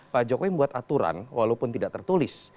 pak jokowi membuat aturan walaupun tidak tertulis